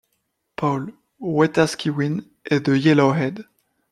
Paul, Wetaskiwin et de Yellowhead.